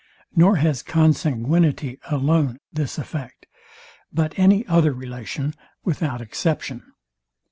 Nor has consanguinity alone this effect, but any other relation without exception.